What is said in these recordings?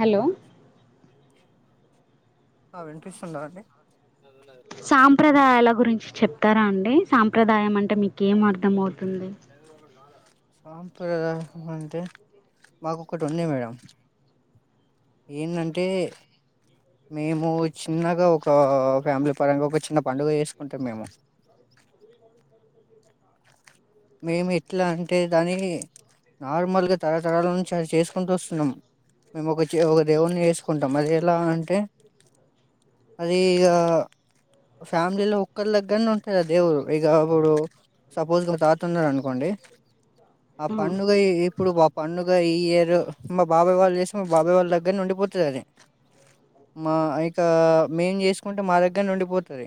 Hello ఆ వినిపిస్తున్నదా అండి సాంప్రదాయాల గురించి చెప్తారా అండి సాంప్ర ప్రదాయం అంటే మీకేం అర్థమవుతుంది సాంప్రదాయ అంటే మాకు ఒకటి ఉంది మేడం ఏందంటే మేము చిన్నగా ఒక ఫ్యామిలీ పరంగా ఒక చిన్న పండుగ వేసుకుంటాం మేము మేము ఎట్లా అంటే దాన్ని నార్మల్గా తరతరాల నుంచి అది చేసుకుంటూ వస్తున్నాం మేము ఒక ఒక దేవుడిని చెసుకుంటాం అది ఎలా అంటే అది ఇగా ఫ్యామిలీలో ఒక్కలి దగ్గరనే ఉంటంది దేవుడు ఇగా ఇప్పుడు సపోజ్ మా తాత తున్నడు అనుకోండి ఆ పండుగ ఇప్పుడు ఆ పండుగ ఈ ఇయరు మా బాబాయ్ వాళ్ళు చేసుకు మా బాబాయ్ వాళ్ళ దగ్గరనే ఉండిపోతంది అది మా ఇంకా మేము చేసుకుంటే మా దగ్గరనే ఉండిపోతది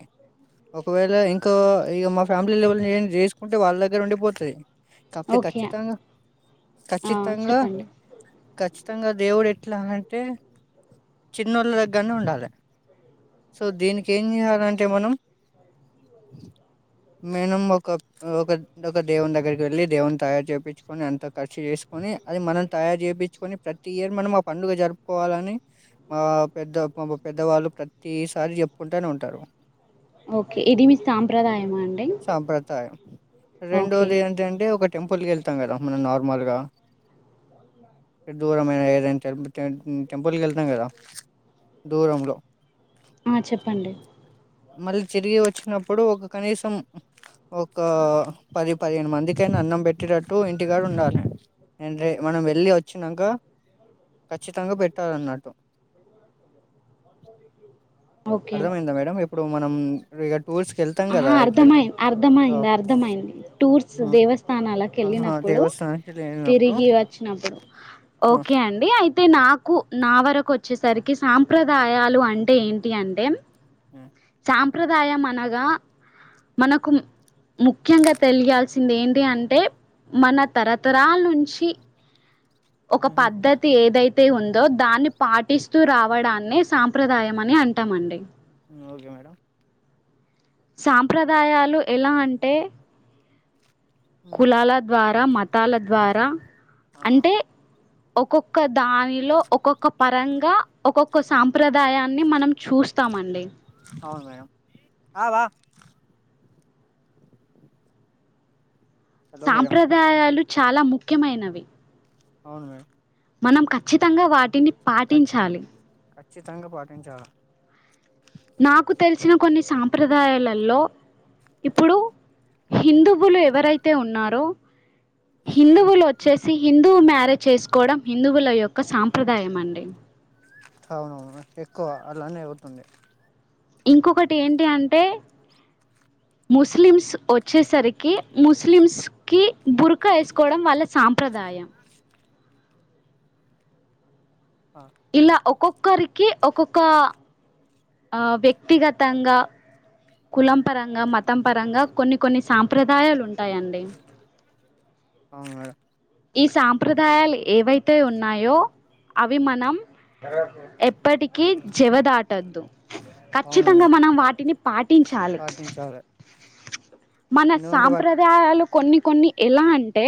ఒకవేళ ఇంకా ఇక మా ఫ్యామిలీ లెవల్ చేసుకుంటే వాళ్ళ దగ్గర ఉండి పోతది కాపోతే ఓకే ఖచ్చితంగా ఆ ఖచ్చితంగా చెప్పండి కచ్చి త్తంగా దేవుడు ఎట్లా అంటే చిన్నోళ్ళ దగ్గరనే ఉండాలి సో దీనికి ఏం చేయాలంటే మనం మేనం ఒక ఒక ఒక్క దేవుని దగ్గరికి వెళ్ళి దేవుని తయారు చేయిించుకొని అంత ఖర్చు చేసుకొని అది మనం తయారు చేయించుకొని ప్రతి ఇయర్ మనం ఆ పండుగ జరుపుకోవాలని మా పెద్ద మా పెద్దవాళ్ళు ప్రతిసారి చెప్పుకుంటనే ఉంటారు ఓకే ఇది మీ సాంప్రదాయమా అండి సాంప్రదాయం ఓకే రెండోది ఏంటి అంటే ఒక టెంపుల్కి వెళ్తాం కదా మనం నార్మల్గా దూరంమైనా ఏదైనా టెంపుల్కి వెళ్తాం కదా దూరంలో ఆ చెప్పండి మళ్ళీ తిరిగి వచ్చినప్పుడు ఒక కనీసం ఒక పది పదిహేను మందికయినా అన్నం పెట్టేటట్టు ఇంటిగా ఉండాలి నేను రే మనం వెళ్ళి వచ్చాక ఖచ్చితంగా పెట్టాలన్నట్టు ఓకే అర్థమైందా మేడం ఇప్పుడు మనం రేట్ ఆ అర్థమయి ఆ, అర్థమయింది అర్థమయింది టూర్స్ ఆ, దేవస్థానాలకు ఆహా వెళ్ళినప్పుడు దేవస్థానానికి లేనప్పుడు తిరిగి వచ్చినప్పుడు ఆ, ఓకే అండి అయితే నాకు నా వరకు వచే చ్చేసరికి సాంప్రదాయాలు అంటే ఏంటి అంటే ఆ సాంప్రదాయం అనగా మనకు ముఖ్యంగా తెలియాల్సింది ఏంటి అంటే మన తరతరాల నుంచి ఒక ఉమ్, పద్ధతి ఏదైతే తే ఉందో దాన్ని పాటిస్తూ రావడాన్ని సాంప్రదాయం అని అంటామండి ఓకే మేడం సాంప్రదాయాలు ఎలా అంటే ఉమ్, కులాల ద్వారా మత తాల ద్వారా ఆ, అంటే ఒక్కొక్క దానిలో ఒక్కొక్క పరంగా ఒక్కొక్క సాం ప్రదాయాన్ని మనం చూస్తామండి అవును మేడం ఆ, వా హలో మేడం సాంప్రదాయాలు చాలా ముఖ్యమైనవి అవును మేడం మనం ఖచ్చితంగా వాటిని పాటించాలి. కచ్చితంగా పాటించాల. నాకు తెలిసిన కొన్ని సాంప్రదాయాలలో, ఇప్పుడు, హిందువులు ఎవరైతే ఉన్నారో. హిందువులు వచ్చేసి హిన్. హిందూ మ్యారేజ్ చేసుకోవడం, హిందువుల యొక్క సాంప్రదాయం అండి. అవునవును ఎక్కువ అలానే అవుతుంది. ఇంకొకటి ఏంటి అంటే ముస్లిమ్స వొచ్చేసరికి, ముస్లిమ్సకీ బురక వేసుకోవడం వాళ్ళ సాంప్రదాయం. ఆ, ఇలా ఒక్కొక్కరికి. ఒక్కొక్క. ఆ వ్యక్తిగతంగా. కులం పరంగా మతం పరంగా కొన్ని కొన్ని సాంప్రదాయాలు ఉంటాయండి. అవునా. ఈ సాంప్రదాయాలు ఏవైతే ఉన్నాయో, అవి మనం, ఎప్పటికీ జవదా. అవును ఖచ్చితంగా మేడం మనం వాటిని పాటించాలి, పాటించాలి మన ఎందుకంటే వాటి సాంప్రదాయాలు. కొన్ని కొన్ని ఎలా అంటే.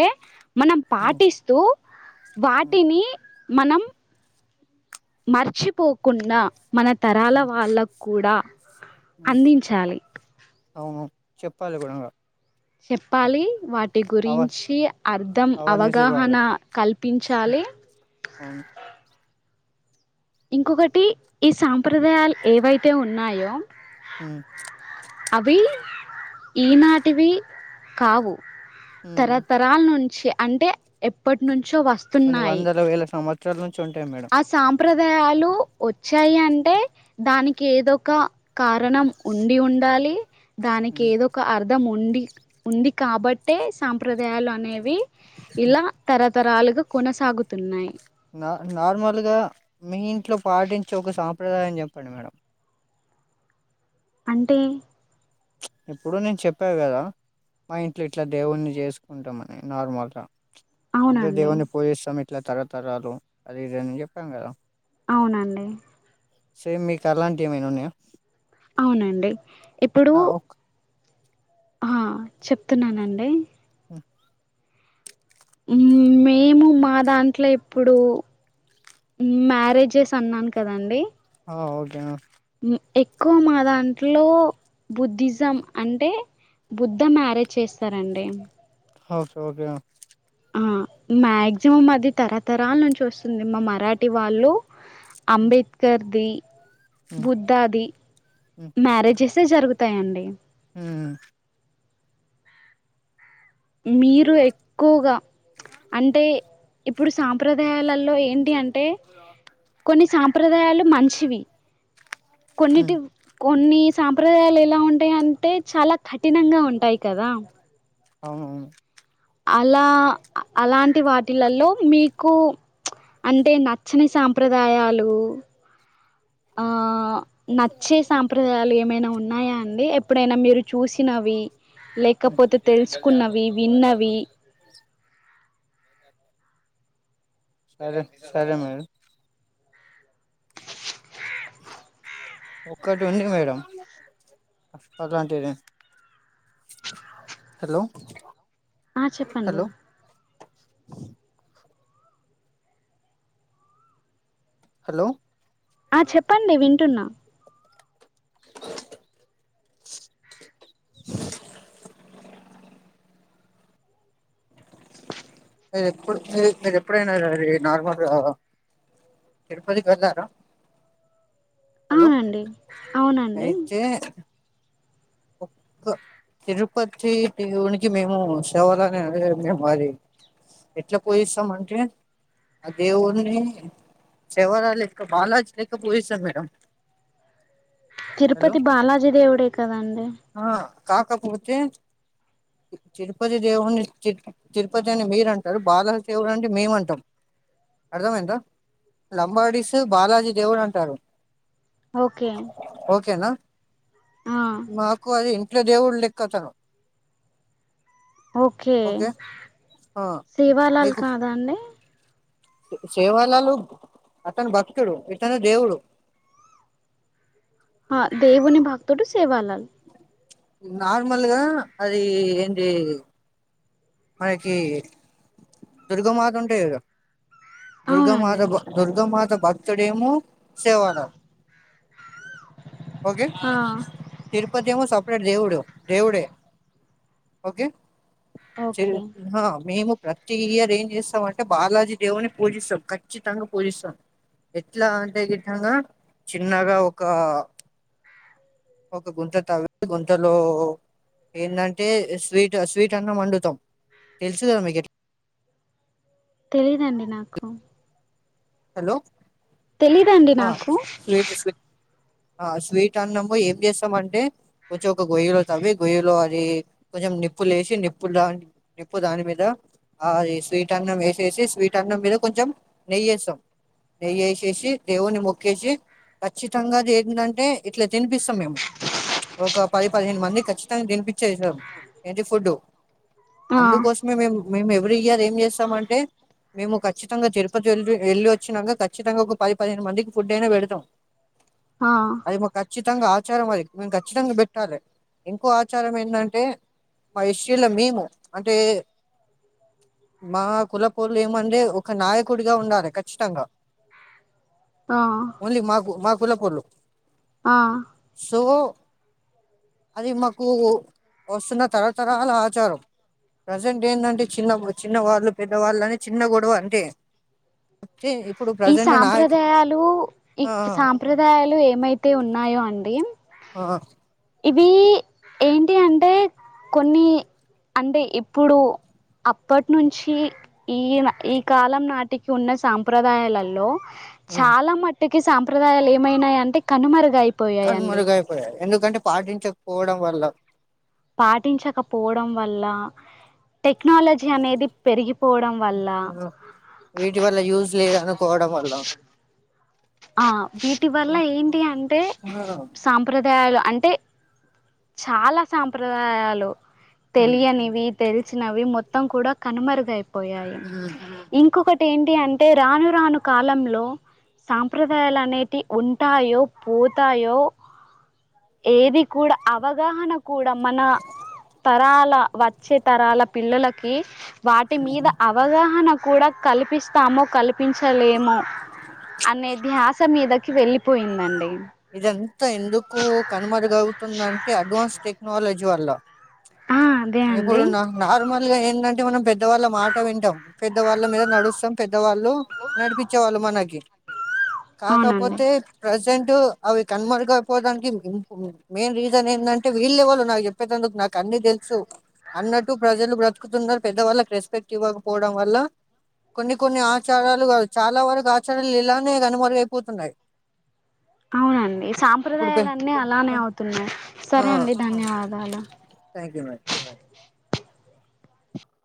మనం పాటిస్తూ వాటిని. మనం. మర్చిపోకున్నా. మన తరాల వాళ్ళకు కూడా, అందించాలి. పల్ గున్ గా. చెప్పాలి వాటి అవ గురింఛీ, అర్ధం అవేర్నెస్ అవగాహన కల్పి. పిన్ చాలి. ఫమ్. ఇంకొకటి, ఈ సాంప్రదాయాలు ఏవైతే ఉన్నాయో. ఉమ్, అవీ. ఈనాటివి, కావు. ఉమ్. తరతరాల నుంచ్. అంటే ఎప్పటి ను. చో వస్తున్నాయి. చర్లన్. అ సంప్రదాయాలు వొచ్చి. చయి అంటే దానికి ఏదొ ఒక, కారణం ఉండి ఉండాలి. దానికి ఉమ్. ఎదొక అర్ధం ఉం. వీక్ ఉంది కాబట్టే, సాంప్రదయాలు అనేవి. ఇలా తర తరాలు గ కొనసాగుతున్నయి. న నార్మల్గా, మియింట్లో పాటించే, ఒక సాంప్రదాయం చెప్పండి మెడం. అంటే ఇప్పుడు నె చెప్పా కదా మా ఇంట్లొ ఇట్ల దేవుణ్ణి చేసుకుంటమని నార్మల్గ అంటె అవునండి దేవున్ని పూజి సమెట్ ఇట్ల తరతరాలు అది ఇదని చెప్పాం కదా అవునండి సేమ్ మికు అలాంటి ఎమైన ఉన్నాయ అవు నండి ఇప్పుడూ ఓక్ అ చెప్తున్నా నండి ఉ ఉమ్ మేము మా దాంట్లొ ఇప్పుడు మ్యారెజెస్ అన్నాను కదండి అ ఒకె న ఎక్కువ మ దాంట్లో బుద్ధిజం అంటె బుద్ధ మ్యారేజ్ చేస్తారండి హ ఒకె ఒకె అ మ్యాక్సిమం అది తరతరాలు నుంచి వస్తుంది మా మరాఠీ వాళ్ళు ఉమ్, అంబే ద్కర్ది బుద్ధాది ఉమ్, మ్యారెజెస్ స్ జరుగుతాయండి ఉమ్ మీరు ఎక్కువగ అంటె ఇప్పుడు సాంప్రదాయాలల్లో ఎంటి అం టె కొన్ని సాంప్రదాయాలు మంచివి ఉమ్. కొన్నిటివ్ కొన్ని సాంప్రదయాలు ఎలా ఉంటాయి అంటే చాలా కఠినంగా ఉంటాయి కదా అవునువును అలా అ అలాంటి వాటిలల్లో మీకు అంటే నచ్చని సాం ప్రదాయాలు ఆ నచ్చే సాంప్రదాయాలు ఎమైన ఉన్నాయా అండి ఎ ప్పుడైన మీరు చూసినవి లెకపోతె తెలుసుకున్నవి విన్నవి సరే డి సరే మేడం ఒక్కటి ఉంది మేడం అలాంటిది హలో ఆ చెప్పండి హలో హలో ఆ చెప్పండి వింటున్నా అ ఎప్పుడు మీ మీరు ఎప్పుడైనా అ నార్మల్గా తిరుపతికి వెళ్ళారా హలో అవునండి అవునండి అయితే ఒక్క తిరుపతి దేవునికి మేము శివరాని మేము మది ఎట్లా పూజిస్తాం అంటే ఆ దేవుని శవరా లెక్క బాలాజీ లెక్క పూజిస్తాం మేడం హలో తిరుపతి బాలాజీ దేవుడే కదండి ఆ కాకపోతే తిరుపతి దేవుని తిరు తిరుపతి అని మీరు అంటారు బాలాజీ దేవుడు అంటే మేం అంటాం అర్థమయ్యిందా లంబాడీస్ బాలాజీ దేవుడు అంటారు ఓకే ఆ మా అది ఇంట్లో దేవుడి లెక్క తను ఓకే ఆ సేవాలాల్ కాదా అండి సేవాలాల్ అతను భక్తుడు ఇతను దేవుడు ఆ దేవుని భక్తుడు సేవాలాల్ నార్మల్గా అది ఏంది మనకి దుర్గమాత ఉంటాయి గా దుర్గ మాత అవునండి కు దుర్గ మాత భక్తుడేమో సేవలాల్ ఓకే ఆ తిరుపతి ఏమో సపరేట్ దేవుడు దేవుడే ఓకే చిల్ ఓకే హు హా మేము ప్రతి ఇయర్ ఏం చేస్తాం అంటే బాలాజీ దేవుడ్ని పూజిస్తాం ఖచ్చితంగా పూజిస్తాం ఎట్లా అంటే గిట్టంగా చిన్నగా ఒక ఒక గుంత తవ్వి గుంతలో ఏందంటే స్వీట్ స్వీట్ అన్నం వండుతాం తెలుసు కదా మీకు ఇట్ తెలీదండి నాకు హలో తెలీదండి నాకు స్వీట్ స్వీట్ ఆ స్వీట్ అన్నము ఏం చేస్తాం అంటే కొంచెం ఒక గొయ్యిలో తవి గొయ్యిలో అది కొంచెం నిప్పులేసి నిప్పులు దాన్ నిప్పు దాని మీద ఆ అది స్వీట్ అన్నం వేసేసి స్వీట్ అన్నం మీద కొంచెం నెయ్యేస్తాం నెయ్యేసేసి దేవుని మొక్కేసి ఖచ్చితంగా దే [inaudible] అంటే ఇట్ల తినిపిస్తాం మేము ఒక పది పదిహేను మంది ఖచ్చితంగా తినిపి చేసం ఏంటి ఫుడ్డు ఆ అందుకోసమే మేం మేం ఎవ్ వ్రీ ఇయర్ ఏం చేస్తామంటే మేము ఖచ్చితంగా తిరుపతి వెళ్ళి ఎళ్లి వచ్చినాక ఖచ్చితంగా ఒక పది పదిహేను మందికి ఫుడ్ అయినా పెడతాం ఆ అది మాకు ఖచ్చితంగా ఆచారం అది మేం ఖచ్చితంగా పెట్టాలి ఇంకో ఆచారం ఏంటంటే మా ఇస్ట్రీలో మేము అంటే మా కులపోళ్ళు ఏమంటే ఒక నాయకుడిగా ఉండాలి ఖచ్చితంగా ఆ ఓన్లీ మాకు మా కులపోళ్ళు ఆ తు గో అది మాకు వస్తున్న తరతరాల ఆచారం ప్రసెంట్ ఏంటంటే చిన్న చిన్నవాళ్ళు పెద్దవాళ్ళు అని చిన్న గొడవ అంటే అంటే ఇప్పుడు ఈ ప్రజెంట్ నాయకు సాంప్రదాయాలు ఆ ఇక్ సాంప్రదాయాలు ఏమై తే ఉన్నాయో అండి ఆ ఆ ఇవి ఏంటి అంటే కొన్ని అంటే ఇప్పుడు అప్పటి నుంచి ఈయన ఈ కాలం నాటికి ఉన్న సాంప్రదాయాలల్లో ఆ చాలా మటు సాంప్రదాలు ఏమైనాయి అంటే కనుమరగాయ కనుమరుగైపోయాయి ఎందుకంటే పాటించకపోవడం వల్ల పాటించకపోవడం వల్ల టెక్నాలజీ అనేది పెరిగి వీటి వల్ల యూస్ లేదు అనుకోవడం వల్ల ఆ వీటి వల్ల ఆ, ఏంటి అంటే సాంప్రదాయాలు అంటే చాలా సాంప్రదాయాలు ఉమ్. తెలియనివి తెలు వచ్చినవి మొత్తం కూడా కనుమరుగా అయిపోయి పోయాయి ఉమ్ ఇంకొకటి ఏంటి అంటే రాను రాను కాలంలో సాంప్రదాయాలు అనేటి ఉంటాయో పోతాయో ఏది కూడా అవగాహన కూడా మన తరాల వచ్చే తరాల పిల్లలకి వాటి మీద అవగాహన కూడా కల్పిస్తాముో కలిపి చపించలేమో అనే ధ్యాస మీద వెళ్ళలిపోయిందండి. ఇదం త ఎందుకు కనుమరుగవుతుందంటే అడ్వాన్స్ టెక్నాలజీ వల్ల ఆ అదే అండి ఎప్పుడున్న నార్మల్గా ఏంటంటే మనం పెద్దవాళ్ళ మాట వింటాం పెద్ద వాళ్ళ మీద నడుస్తాం పెద్దవాళ్ళు నడిపించేవాళ్ళు మనకి అవునండి కాకపోతే ప్రజెంట్ ట్ అవి కనుమరుగ అయిపోవడానికి మెయిన్ రీజన్ ఏంటంటే వీళ్ళే వాళ్ళు నాకు చెప్పేందుకు నాకు అన్ని తెలుసు అన్నట్టు ప్రజలు బ్రతుకుతున్నారు అవి కనుమరుగుపోవడానికి మెయిన్ రీసన్ ఎందంటే వీళ్లెవరు నాకు చెప్పేటందుకు నాకు అన్ని తెలుసు అన్నట్టు ప్రజలు బ్రతుకుతున్న పెద్ద వాళ్ళకి రెస్పెక్ట్ ఇవ్వకపోవడం వల్ల కొన్ని కొన్ని ఆచారాలు చాలా వరకు ఆచారాలు ఇలానే కనుమరుగ అయిపోతున్నాయి అవునండి సాంప్రదాయలున్నీ అలానే అవుతున్నాయి ఆ సరే అండి ధన్యవాదాలు. Thank you madam